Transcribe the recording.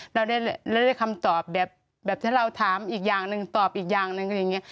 เราได้คำตอบแบบที่เราถามอีกอย่างหนึ่งตอบอีกอย่างหนึ่งอะไรอย่างนี้